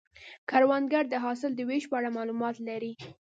کروندګر د حاصل د ویش په اړه معلومات لري